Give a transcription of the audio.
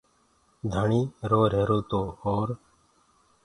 ڌڻيٚ روهيرو تو اور